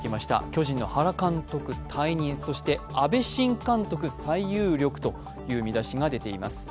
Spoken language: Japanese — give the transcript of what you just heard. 巨人の原監督が退任、そして阿部新監督という記事が出ています。